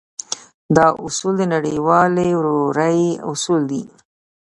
دا اصول د نړيوالې ورورۍ اصول دی.